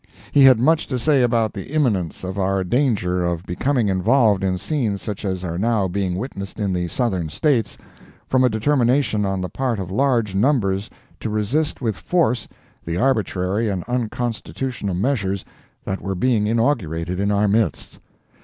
He had much to say about the imminence of our danger of becoming involved in scenes such as are now being witnessed in the Southern States, from a determination on the part of large numbers to resist with force the arbitrary and unconstitutional measures that were being inaugurated in our midst.